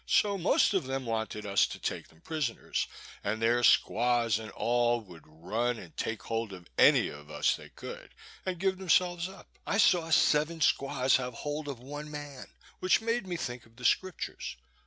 So most of them wanted us to take them prisoners; and their squaws and all would run and take hold of any of us they could, and give themselves up. I saw seven squaws have hold of one man, which made me think of the Scriptures.